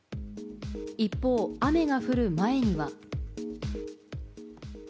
一方、雨が降る前には。